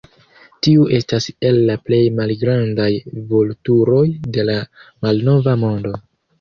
Tiu estas el la plej malgrandaj vulturoj de la Malnova Mondo.